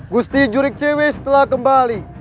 gusti jurik cewek telah kembali